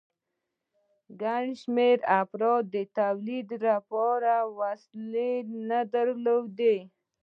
ګڼ شمېر افرادو د تولید لپاره وسیلې نه درلودې